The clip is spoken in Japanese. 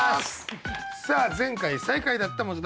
さあ前回最下位だった本君。